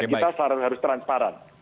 dan kita harus transparan